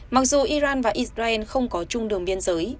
mặc dù iran và israel không có chung đường biên giới